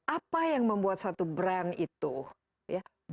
apa yang membuat satu brand itu ya berharga